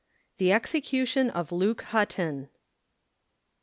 THE EXECUTION OF LUKE HUTTON.